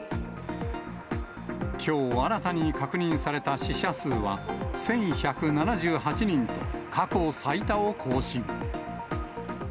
きょう新たに確認された死者数は１１７８人と、過去最多を更新。